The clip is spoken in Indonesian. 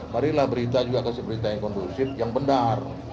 marilah berita juga kasih berita yang kondusif yang benar